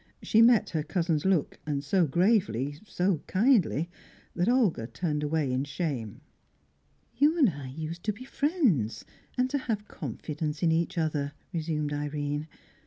She met her cousin's look, and so gravely, so kindly, that Olga turned away in shame. "You and I used to be friends, and to have confidence in each other," resumed Irene.